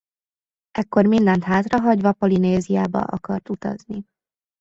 Ekkor mindent hátrahagyva Polinéziába akart utazni.